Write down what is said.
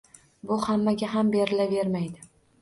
Bu hammaga ham berilavermaydi.